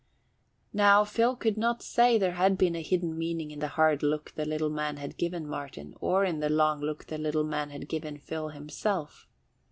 Now Phil could not say there had been a hidden meaning in the hard look the little man had given Martin or in the long look the little man had given Phil himself.